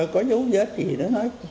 có dấu vết gì đó